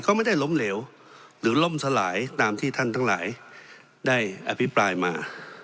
ก็ไม่ได้ล้มเหลวหรือล่มสลายตามที่ท่านทั้งหลายได้อภิปรายมา